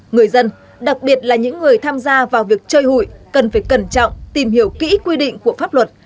người dân đặc biệt là những người tham gia vào việc chơi hụi cần phải cẩn trọng tìm hiểu kỹ quy định của pháp luật